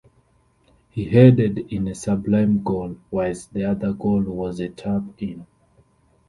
He headed in a sublime goal, whilst the other goal was a tap in.